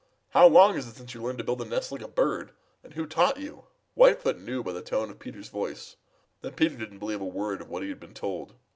How long is it since you learned to build a nest like a bird, and who taught you?" Whitefoot knew by the tone of Peter's voice that Peter didn't believe a word of what he had been told.